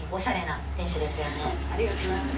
そんなありがとうございます